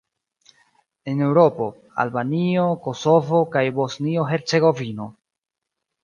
En Eŭropo: Albanio, Kosovo kaj Bosnio-Hercegovino.